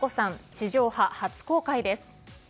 地上波初公開です。